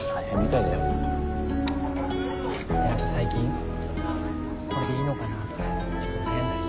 何か最近これでいいのかなとかちょっと悩んだり。